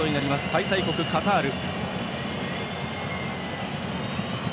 開催国のカタール。